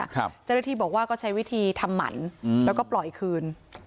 เจ้าหน้าที่บอกว่าก็ใช้วิธีทำหมันแล้วก็ปล่อยคืน